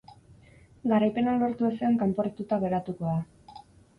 Garaipena lortu ezean kanporatuta geratuko da.